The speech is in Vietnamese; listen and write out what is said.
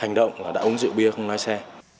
hành động là đã uống rượu bia không lái xe